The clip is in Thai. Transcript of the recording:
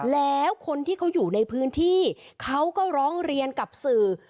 แล้วคนที่เขาอยู่ในพื้นที่เขาก็ร้องเรียนกับสื่อ